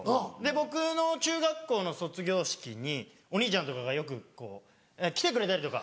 僕の中学校の卒業式にお兄ちゃんとかがよくこう来てくれたりとか。